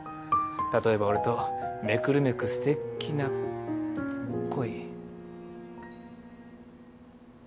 例えば俺とめくるめくすてきな恋。